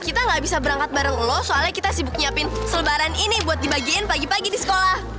kita nggak bisa berangkat bareng lo soalnya kita sibuk nyiapin selebaran ini buat dibagiin pagi pagi di sekolah